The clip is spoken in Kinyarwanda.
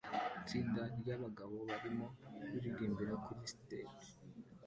Itsinda ryabagabo barimo kuririmbira kuri stage